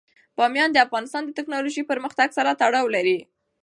بامیان د افغانستان د تکنالوژۍ پرمختګ سره تړاو لري.